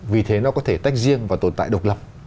vì thế nó có thể tách riêng và tồn tại độc lập